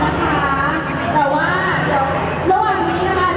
ว้าวว้าวว้าวว้าวว้าวว้าวว้าวว้าวว้าว